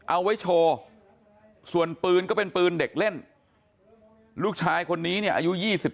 เอาไว้โชว์ส่วนปืนก็เป็นปืนเด็กเล่นลูกชายคนนี้เนี่ยอายุ๒๓